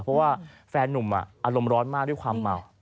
เพราะว่าแฟนนุ่มอารมณ์ร้อนมากด้วยความเมา